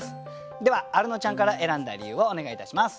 ではアルノちゃんから選んだ理由をお願いいたします。